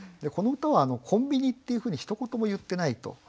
この歌は「コンビニ」っていうふうにひと言も言ってないと。